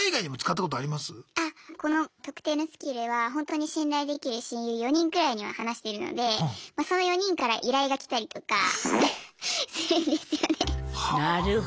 この「特定」のスキルはほんとに信頼できる親友４人くらいには話してるのでその４人から依頼がきたりとかするんですよね。